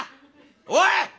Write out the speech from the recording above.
おい！